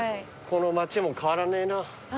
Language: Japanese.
この町も変わらねえな。